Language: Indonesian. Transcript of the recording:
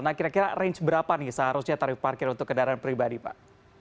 nah kira kira range berapa nih seharusnya tarif parkir untuk kendaraan pribadi pak